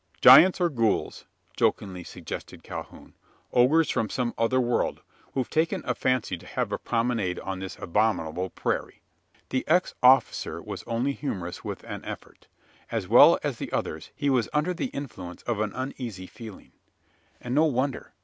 "Giants, or ghouls!" jokingly suggested Calhoun; "ogres from some other world, who've taken a fancy to have a promenade on this abominable prairie!" The ex officer was only humorous with an effort. As well as the others, he was under the influence of an uneasy feeling. And no wonder.